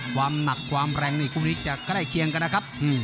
ความหนักความแรงคุณผู้นี้ก็ได้เคียงกันนะครับ